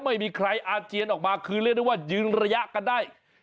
ไม่มีใครอาเจียนออกมาคือเรียกได้ว่ายืนระยะกันได้